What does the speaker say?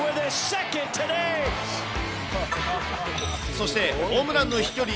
そして、ホームランの飛距離